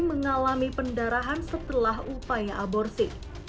mengalami pendarahan setelah upaya aborsi